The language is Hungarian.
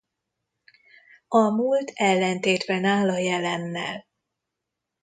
A múlt ellentétben áll a jelennel.